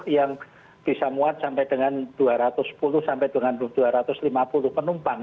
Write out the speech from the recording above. yang bisa muat sampai dengan dua ratus sepuluh sampai dengan dua ratus lima puluh penumpang